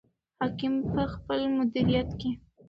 حاکم په خپل مدیریت کې.